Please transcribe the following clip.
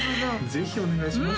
ぜひお願いします